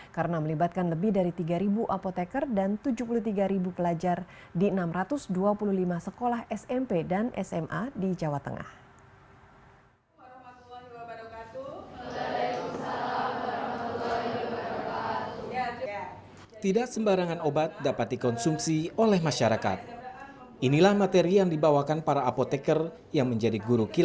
karena melibatkan lebih dari tiga apotekar dan tujuh puluh tiga pelajar